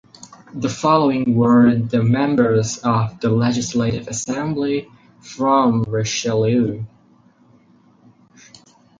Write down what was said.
The following were the members of the Legislative Assembly from Richelieu.